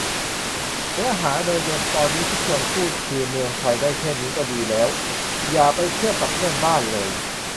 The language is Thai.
เนื้อหาโดยรวมตอนนี้ที่ชวนพูดคือ เมืองไทยได้แค่นี้ก็ดีแล้ว อย่าไปเทียบกับเพื่อนบ้านเลย